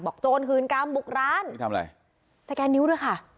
โจรหืนกรรมบุกร้านทำอะไรสแกนนิ้วด้วยค่ะ